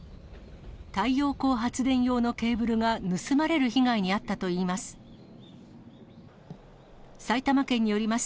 太陽光発電用のケーブルが盗まれる被害に遭ったといいます。